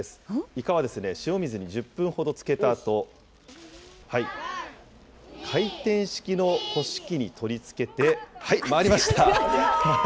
イカは塩水に１０分ほどつけたあと、はい、回転式の干し機に取り付けて、はい、回りました。